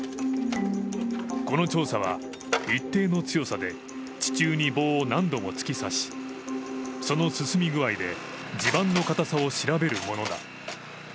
この調査は一定の強さで地中に棒を何度も突き刺し、その進み具合で、地盤の固さを調べるものだ。